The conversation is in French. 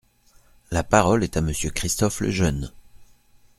La parole est à Monsieur Christophe Lejeune.